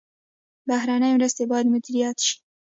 بهرنۍ مرستې باید مدیریت شي